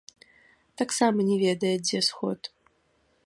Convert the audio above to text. Таксама не ведае, дзе сход.